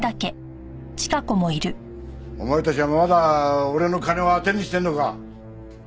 お前たちはまだ俺の金を当てにしてるのか。